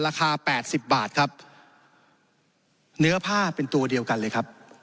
ราคาแปดสิบบาทครับเนื้อผ้าเป็นตัวเดียวกันเลยครับ